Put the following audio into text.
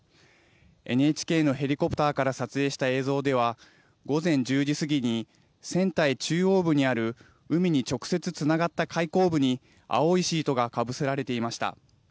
ＮＨＫのヘリコプターから撮影した映像では午前１０時過ぎに船体中央部にある海に直接つながった開口部に青いシートがかぶせられていました。